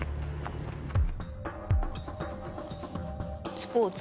スポーツ？